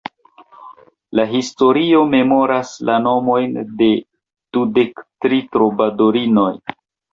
La historio memoras la nomojn de dudek tri trobadorinoj.